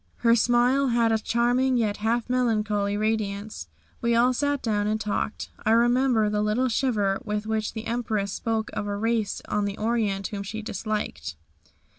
Her smile had a charming yet half melancholy radiance. We all sat down and talked. I remember the little shiver with which the Empress spoke of a race in the Orient whom she disliked.